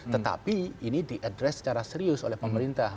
tetapi ini diadres secara serius oleh pemerintah